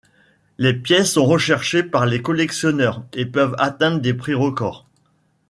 Les pièces sont recherchées par les collectionneurs et peuvent atteindre des prix record.